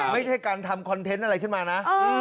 ไม่ใช่การทำคอนเทนต์อะไรขึ้นมานะ